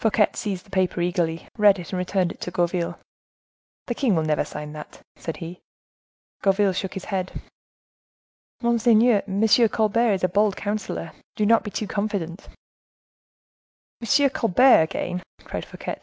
Fouquet seized the paper eagerly, read it, and returned it to Gourville. "The king will never sign that," said he. Gourville shook his head. "Monseigneur, M. Colbert is a bold councilor: do not be too confident!" "Monsieur Colbert again!" cried Fouquet.